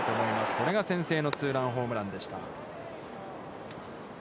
これが先制のツーランホームランでした。